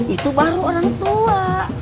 itu baru orang tua